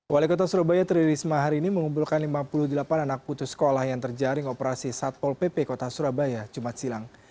wali kota surabaya tri risma hari ini mengumpulkan lima puluh delapan anak putus sekolah yang terjaring operasi satpol pp kota surabaya jumat siang